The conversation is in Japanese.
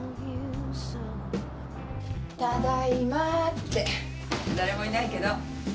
ただいまって誰もいないけど。